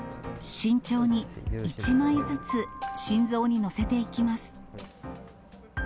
慎重に１枚ずつ心臓に載せていきます。